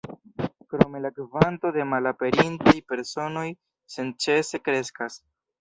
Krome la kvanto de malaperintaj personoj senĉese kreskas.